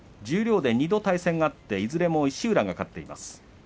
十両で２度対戦があっていずれも石浦が勝っています。